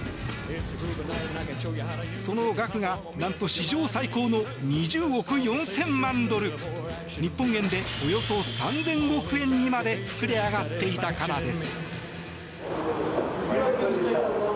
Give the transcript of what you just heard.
その額がなんと史上最高の２０億４０００万ドル日本円でおよそ３０００億円にまで膨れ上がっていたからです。